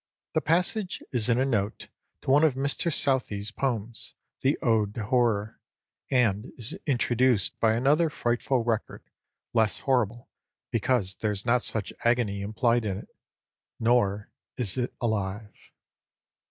The passage is in a note to one of Mr Southey's poems, the "Ode to Horror," and is introduced by another frightful record, less horrible, because there is not such agony implied in it, nor is it alive.